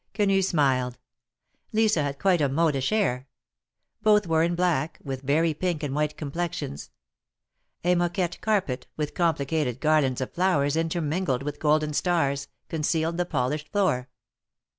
Quenu smiled; Lisa had quite a modish air; both were in black, with very pink and white complexions. A moquette carpet, with complicated garlands of flowers THE MAEKETS OF PAEIS. 79 intermingled with golden stars, concealed the polished floor.